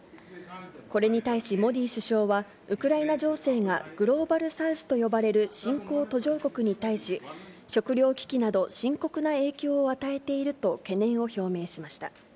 これに対し、モディ首相はウクライナ情勢がグローバルサウスと呼ばれる新興・途上国に対し、食料危機など深刻な影響を与えていると懸念を表明しました。